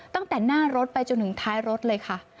ตั้งแต่หน้ารถไปจนถึงท้ายรถเลยค่ะ